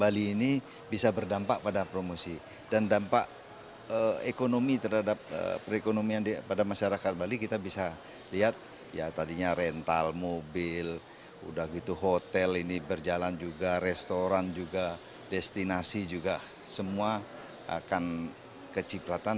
bali ini bisa berdampak pada promosi dan dampak ekonomi terhadap perekonomian pada masyarakat bali kita bisa lihat ya tadinya rental mobil udah gitu hotel ini berjalan juga restoran juga destinasi juga semua akan kecipratan